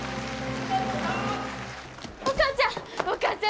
お母ちゃんお母ちゃん！お帰り。